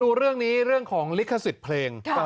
ดูเรื่องนี้เรื่องของลิขสิทธิ์เพลง